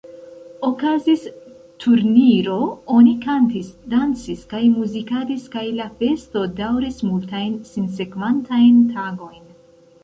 Okazis turniro, oni kantis, dancis kaj muzikadis kaj la festo dauris multajn sinsekvantajn tagojn.